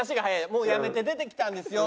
「もうやめて出てきたんですよ」